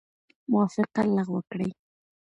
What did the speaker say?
موافقه لغو کړي.